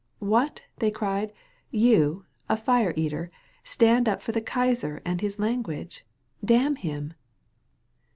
"What," they cried, "you, a fire eater, stand up for the Kaiser and his language? Damn him!"